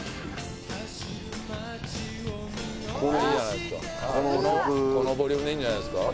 このこの曲このボリュームでいいんじゃないですか